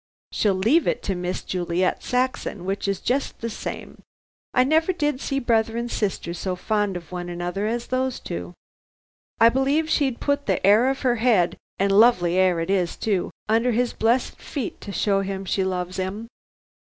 "She'll leave it to Miss Juliet Saxon, which is just the same. I never did see brother and sister so fond of one another as those two. I believe she'd put the 'air of 'er head and lovely 'air it is, too under his blessed feet to show him she loves him."